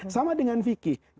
sama dengan fikih